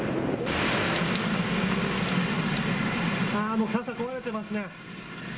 もう傘壊れてますね。